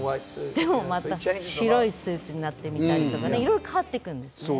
でもまた白いスーツになってみたり、いろいろ変わっていくんです。